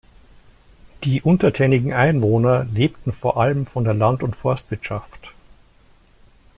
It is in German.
Die untertänigen Einwohner lebten vor allem von der Land- und Forstwirtschaft.